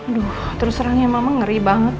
aduh terus terangnya mama ngeri banget